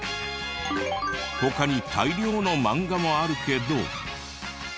他に大量のマンガもあるけど。